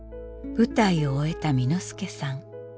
舞台を終えた簑助さん。